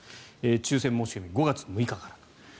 抽選申し込みは５月６日から。